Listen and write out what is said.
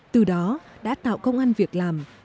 từ đó đã tạo công an việc làm